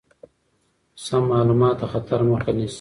سم معلومات د خطر مخه نیسي.